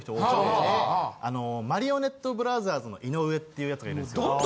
あのマリオネットブラザーズの井上っていうやつがいるんですけど。